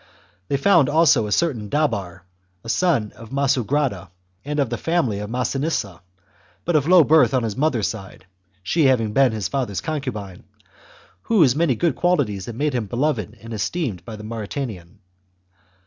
They found also a certain Dabar, a son of Massugrada, and of the family of Massinissa, but of low birth on his mother's side [she having been his father's concubine], whose many good qualities had made him beloved and esteemed by the Mauritanian.